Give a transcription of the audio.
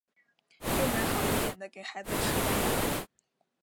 就买好一点的给孩子吃吧